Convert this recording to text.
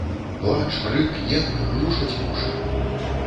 Плач, крык, енк глушаць вушы.